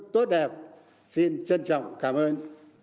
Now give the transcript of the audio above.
tốt đẹp xin trân trọng cảm ơn